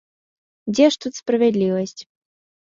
Дзе ж тут справядлівасць?